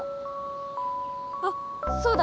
あっそうだ